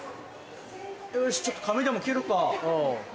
よしちょっと髪でも切るか。